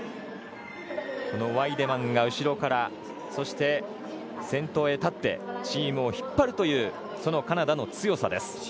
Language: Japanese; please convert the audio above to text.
ワイデマンが後ろからそして、先頭へ立ってチームを引っ張るというカナダの強さです。